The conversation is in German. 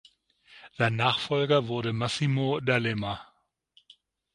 Sein Nachfolger wurde Massimo D’Alema.